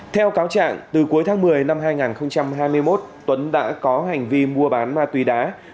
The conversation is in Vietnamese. theo cáo trạng từ cuối tháng một mươi năm hai nghìn hai mươi một tuấn đã có hành vi mua bán ma túy đá